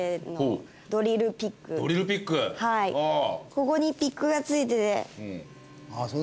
ここにピックが付いてて。